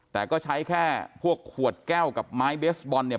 แต่ก็ใช้แค่พวกขวดแก้วกับไม้เบสบอลเนี่ย